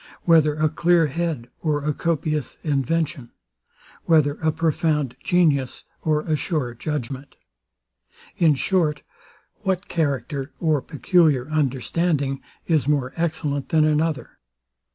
whether a clear head, or a copious invention? whether a profound genius, or a sure judgment? in short, what character, or peculiar understanding, is more excellent than another?